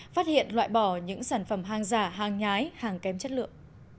phát hiện loại bỏ những sản phẩm hàng giả hàng nhái hàng kém chất lượng